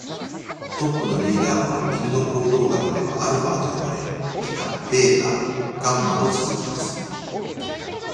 トップのリーダーは犬の行動学ではアルファと呼ばれ、以下ベータ、ガンマと続きます。